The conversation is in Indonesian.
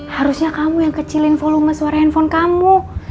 harusnya kamu yang kecilin volume suara handphone kamu